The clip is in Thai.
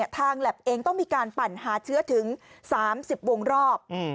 แล็บเองต้องมีการปั่นหาเชื้อถึง๓๐วงรอบ